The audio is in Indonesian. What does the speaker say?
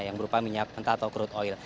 yang berupa minyak mentah atau crude oil